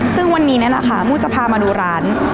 ซึ่งวันนี้นะคะมูจะพามาดูร้าน